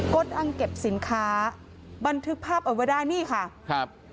ดอังเก็บสินค้าบันทึกภาพเอาไว้ได้นี่ค่ะครับ